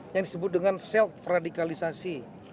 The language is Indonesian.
yang disebut dengan self radikalisasi